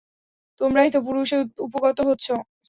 তোমরাই তো পুরুষে উপগত হচ্ছ।